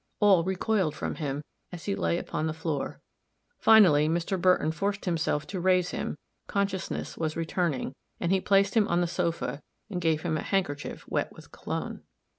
All recoiled from him, as he lay upon the floor. Finally, Mr. Burton forced himself to raise him; consciousness was returning, and he placed him on the sofa, and gave him a handkerchief wet with cologne.